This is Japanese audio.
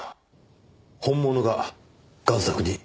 本物が贋作に？